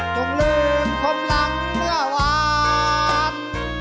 ลืมคมหลังเมื่อวาน